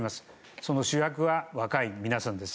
その主役は若い皆さんです。